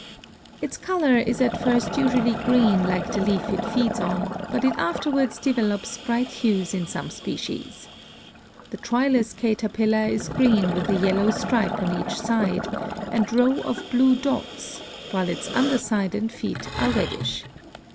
Its color is at first usually green like the leaf it feeds on, but it afterwards develops bright hues in some species. The Troilus caterpillar is green with a yellow stripe on each side, and row of blue dots, while its under side and feet are reddish.